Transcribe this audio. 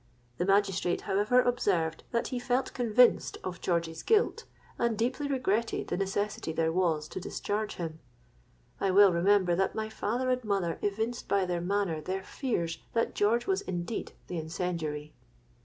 The magistrate, however, observed, that he felt convinced of George's guilt, and deeply regretted the necessity there was to discharge him. I well remember that my father and mother evinced by their manner their fears that George was indeed the incendiary.